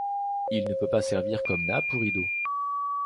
Il ne peut pas servir comme nappe ou rideau.